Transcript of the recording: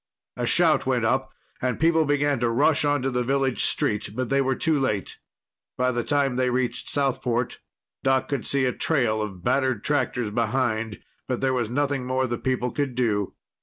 A shout went up, and people began to rush onto the village street. But they were too late. By the time they reached Southport, Doc could see a trail of battered tractors behind, but there was nothing more the people could do.